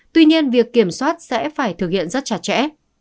tuy nhiên việc kiểm soát sẽ phải thực hiện rất chặt chẽ